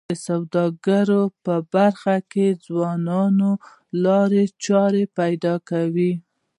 د سوداګرۍ په برخه کي ځوانان نوې لارې چارې پیدا کوي.